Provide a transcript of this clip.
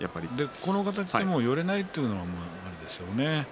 この形で寄れないというのがあれなんですよね。